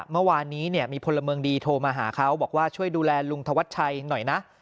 เมื่อวานนี้มีพลเมืองดีโทรมาหาเขาบอกว่าช่วยดูแลลุงธวัชชัยหน่อยนะ